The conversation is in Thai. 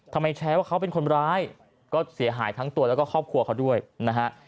แชร์ว่าเขาเป็นคนร้ายก็เสียหายทั้งตัวแล้วก็ครอบครัวเขาด้วยนะฮะ